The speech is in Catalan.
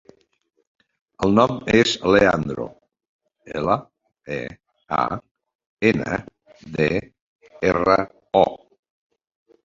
El nom és Leandro: ela, e, a, ena, de, erra, o.